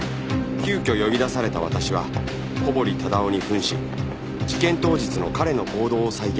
急きょ呼び出された私は小堀忠夫に扮し事件当日の彼の行動を再現した